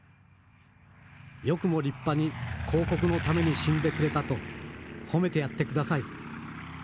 よくも立派に皇国のために死んでくれたと褒めてやって下さい。